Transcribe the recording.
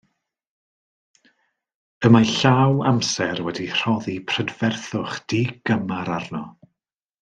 Y mae llaw amser wedi rhoddi prydferthwch digymar arno.